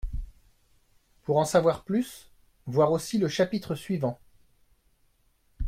Pour en savoir plus, voir aussi le chapitre suivant.